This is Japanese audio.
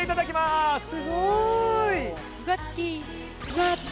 すごーい！